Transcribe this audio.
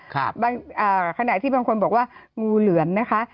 ครับบางขนาดที่บางคนบอกว่างูเหลือมนะคะ